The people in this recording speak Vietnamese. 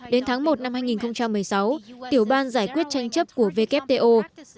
đến tháng một năm hai nghìn một mươi sáu tiểu ban giải quyết tranh chấp của wto